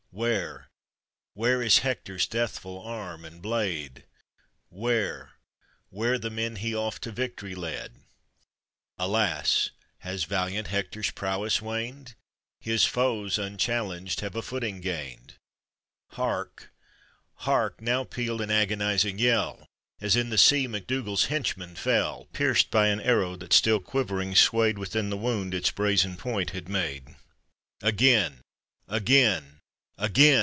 Where! where is Hector's deathful arm and blade ? Where ! where the men he oft to victory led ? Alas! has valiant Hectors prowess waned? His foes, unchallenged, have a footing gained. Hark! hark! now pealed an agonizing yell. As in the sea MacDougall's henchman fell, Pierced by an arrow that still quivering •waved 432 APPENDIX. Within the wound its brazen point had made. Again ! again ! again